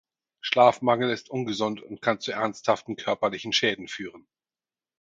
Schlafmangel ist ungesund und kann zu ernsthaften körperlichen Schäden führen.